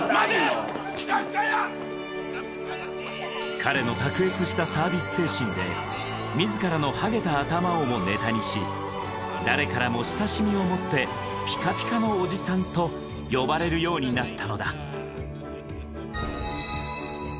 彼の卓越したサービス精神で自らのハゲた頭をもネタにし誰からも親しみを持ってピカピカのおじさんと呼ばれるようになったのだ